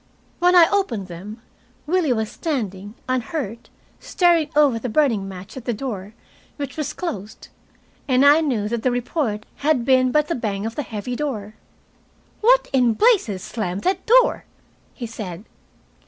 When I opened them, Willie was standing unhurt, staring over the burning match at the door, which was closed, and I knew that the report had been but the bang of the heavy door. "What in blazes slammed that door?" he said.